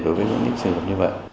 đối với những trường hợp như vậy